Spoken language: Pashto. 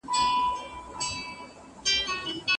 هغه له پخوا څخه له با اخلاقه کسانو سره ملګرتیا درلوده.